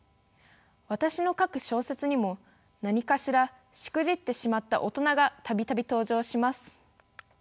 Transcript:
私の書く小説にも何かしらしくじってしまった大人が度々登場します。